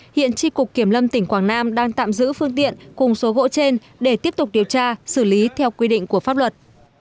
hiện tri cục kiểm lâm tỉnh quảng nam đang tạm giữ phương tiện cùng số gỗ trên để tiếp tục điều tra xử lý theo quy định của pháp luật